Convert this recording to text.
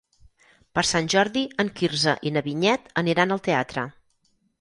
Per Sant Jordi en Quirze i na Vinyet aniran al teatre.